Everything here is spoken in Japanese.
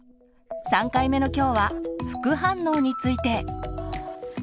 ３回目の今日は「副反応について」。